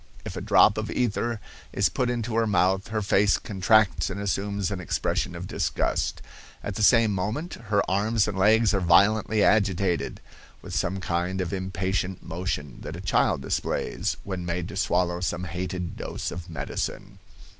If a drop of ether is put into her mouth her face contracts and assumes an expression of disgust. At the same moment her arms and legs are violently agitated, with the kind of impatient motion that a child displays when made to swallow some hated dose of medicine.